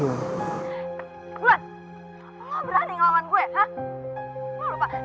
lo berani ngelawan gue